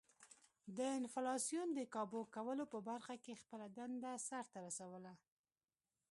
د انفلاسیون د کابو کولو په برخه کې خپله دنده سر ته ورسوله.